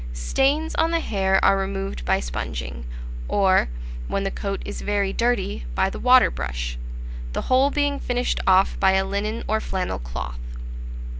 Stains on the hair are removed by sponging, or, when the coat is very dirty, by the water brush; the whole being finished off by a linen or flannel cloth.